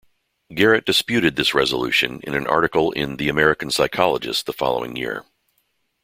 Garrett disputed this resolution in an article in "The American Psychologist" the following year.